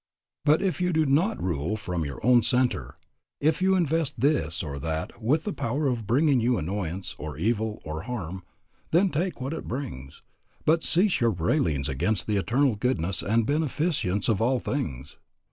But if you do not rule from your own centre, if you invest this or that with the power of bringing you annoyance, or evil, or harm, then take what it brings, but cease your railings against the eternal goodness and beneficence of all things.